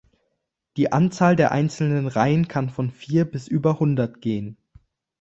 Die Anzahl der einzelnen Reihen kann von vier bis über hundert gehen.